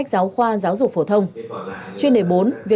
chuyên đề tám